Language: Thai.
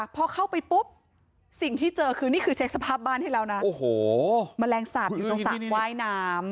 แมลงสาบอยู่ตรงสระว่ายน้ำ